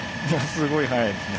すごい速いですね。